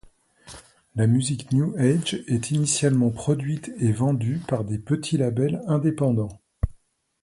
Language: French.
La musique new age est initialement produite et vendue par des petits labels indépendants.